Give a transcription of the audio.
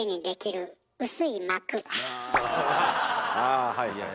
あはいはい。